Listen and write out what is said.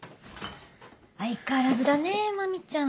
相変わらずだね麻美ちゃん。